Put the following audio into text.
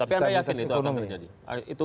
tapi anda yakin itu akan terjadi